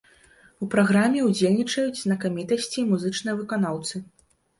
У праграме ўдзельнічаюць знакамітасці і музычныя выканаўцы.